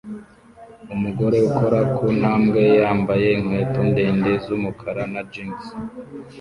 Umugore ukora ku ntambwe yambaye inkweto ndende z'umukara na jans